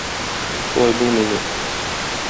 Шулай булмый ни?!